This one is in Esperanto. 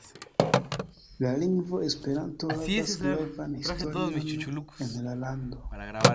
La lingvo Esperanto havas gravan historion en la lando.